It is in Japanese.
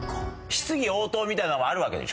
質疑応答みたいなのもあるわけでしょ？